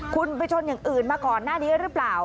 คุณไปชนอย่างอื่นมาก่อนหน้านี้หรือเปล่า